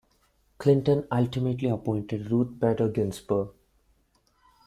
Clinton ultimately appointed Ruth Bader Ginsburg.